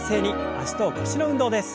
脚と腰の運動です。